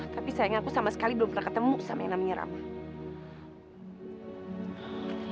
tapi sayang aku sama sekali belum pernah ketemu sama yang namanya ramah